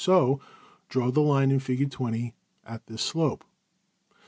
So, draw the line in \Fig at this slope.